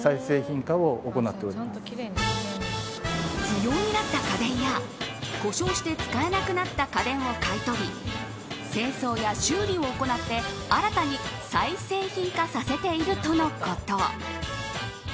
不要になった家電や故障して使えなくなった家電を買い取り清掃や修理を行って、新たに再製品化させているとのこと。